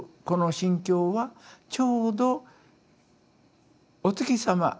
この心境はちょうどお月様